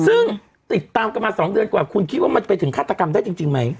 ซึ่งติดตามกันมา๒เดือนกว่าคุณคิดว่ามันไปถึงฆาตกรรมได้จริงไหม